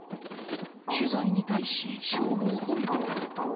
取材に対し消防本部は。